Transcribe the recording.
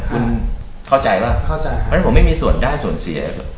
พี่เข้าใจปะฉะนั้นผมไม่มีส่วนได้และส่วนเสีย